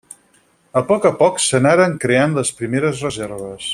A poc a poc s'anaren creant les primeres reserves.